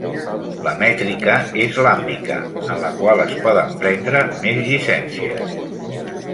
La mètrica és làmbica, en la qual es poden prendre més llicències.